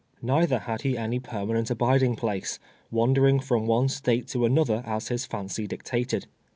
Nei ther had he any permanent abiding place — wander ing from one State to another, as his fancy dictated.